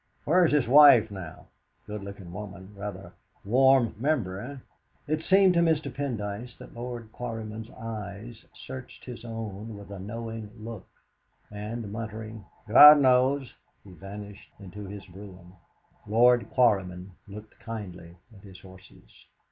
Where's his wife now? Good lookin' woman; rather warm member, eh?" It seemed to Mr. Pendyce that Lord Quarryman's eyes searched his own with a knowing look, and muttering "God knows!" he vanished into his brougham. Lord Quarryman looked kindly at his horses.